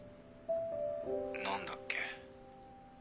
何だっけ。